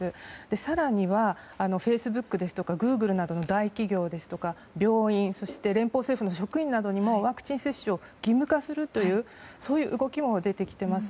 更には、フェイスブックですとかグーグルなどの大企業ですとか、病院そして、連邦政府の職員などにもワクチン接種を義務化するという動きも出てきています。